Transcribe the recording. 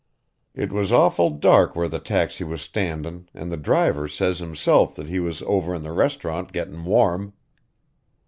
It was awful dark where the taxi was standin' an' the driver says himself that he was over in the restaurant gettin' warm.